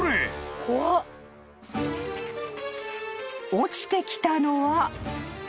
［落ちてきたのは］